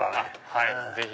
はいぜひ。